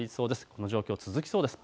この状況、続きそうです。